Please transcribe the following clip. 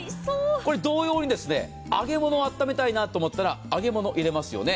同様に揚げ物を温めたいなと思ったら揚げ物、入れますよね。